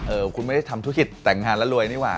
คุณไม่ได้ทำธุรกิจแต่งงานแล้วรวยนี่หว่า